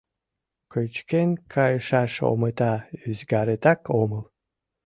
Кычкен кайышаш омыта ӱзгаретак омыл.